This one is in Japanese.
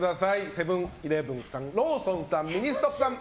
セブン‐イレブンさんローソンさんミニストップさん